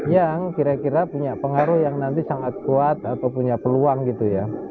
yang kira kira punya pengaruh yang nanti sangat kuat atau punya peluang gitu ya